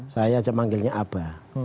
saya aja manggilnya aba